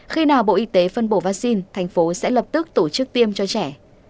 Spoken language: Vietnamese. khi nào bộ y tế phân bổ vaccine thành phố sẽ lập tức tổ chức tiêm cho trẻ